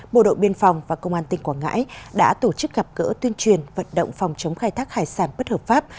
bộ đội biên phòng và công an tỉnh quảng ngãi đã tổ chức gặp cỡ tuyên truyền vận động phòng chống khai thác hải sản bất hợp pháp